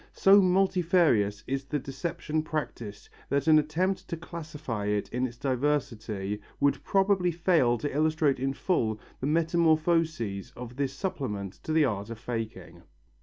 So multifarious is the deception practised that an attempt to classify it in its diversity would probably fail to illustrate in full the metamorphoses of this supplement to the art of faking.